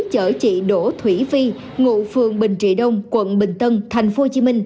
chở chị đỗ thủy phi ngụ phường bình trị đông quận bình tân tp hcm